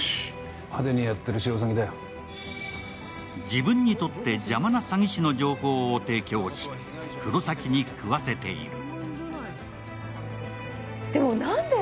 自分にとって邪魔な詐欺師の情報を提供し黒崎に食わせている。